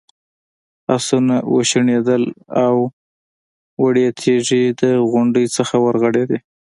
آسونه وشڼېدل او وړې تیږې د غونډۍ نه ورغړېدې.